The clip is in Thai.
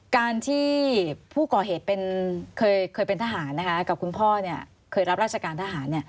การที่ผู้ก่อเหตุเคยเป็นทหารกับคุณพ่อเคยรับราชการทหาร